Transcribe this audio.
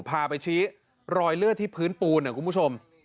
พาไปชี้รอยเลือดที่พื้นปูนคุณผู้ชม